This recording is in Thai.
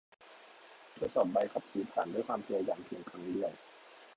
เธอสอบใบขับขี่ผ่านด้วยความพยายามเพียงครั้งเดียว